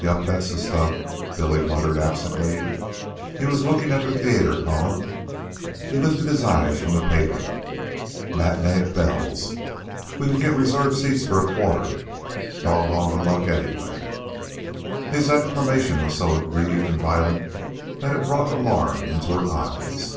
"Yep, that's the stuff," Billy muttered absently. He was looking at the theater column. He lifted his eyes from the paper. "Matinee at Bell's. We can get reserved seats for a quarter. Doggone the luck anyway!" His exclamation was so aggrieved and violent that it brought alarm into her eyes.